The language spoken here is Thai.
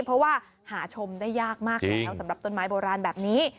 เพราะว่าหาชมได้ยากมากแล้วสำหรับต้นไม้โบราณแบบนี้